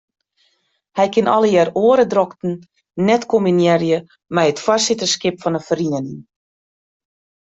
Hij kin allegear oare drokten net kombinearje mei it foarsitterskip fan 'e feriening.